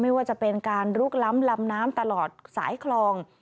ไม่ว่าจะเป็นการลุกล้ำลำน้ำตลอดสายคลอง